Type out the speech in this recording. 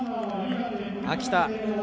秋田。